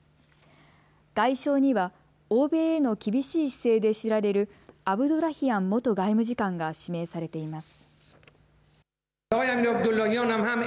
外相には欧米への厳しい姿勢で知られるアブドラヒアン元外務次官が指名されています。